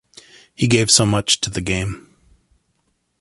He gave so much to the game.